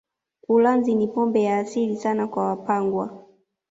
Ulanzi ni pombe ya asili sana kwa Wapangwa